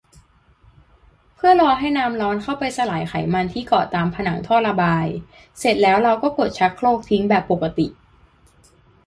เพื่อรอให้น้ำร้อนเข้าไปสลายไขมันที่เกาะตามผนังท่อระบาย เสร็จแล้วเราก็กดชักโครกทิ้งแบบปกติ